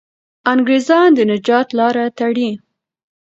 انګریزان د نجات لاره تړي.